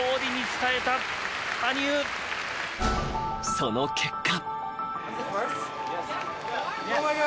［その結果］